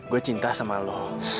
gua cinta sama lu